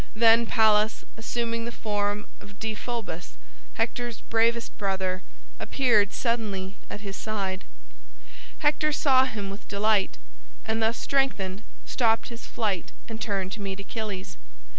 Then Pallas, assuming the form of Deiphobus, Hector's bravest brother, appeared suddenly at his side. Hector saw him with delight, and thus strengthened stopped his flight and turned to meet Achilles.